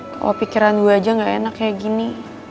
kalau pikiran gue aja gak enak kayak gini